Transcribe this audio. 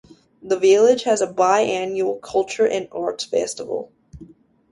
The village has a bi-annual culture and arts festival.